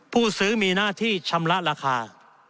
ผู้ซื้อมีหน้าที่ชำระราคา